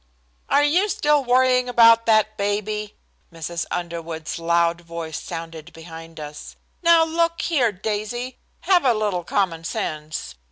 "Are you still worrying about that baby?" Mrs. Underwood's loud voice sounded behind us. "Now, look here, Daisy, have a little common sense.